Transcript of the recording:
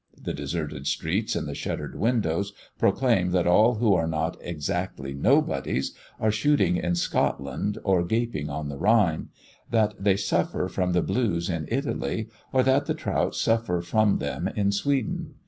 The deserted streets and the shuttered windows proclaim that all who are not exactly "nobodies," are shooting in Scotland or gaping on the Rhine; that they suffer from the blues in Italy, or that the trout suffer from them in Sweden.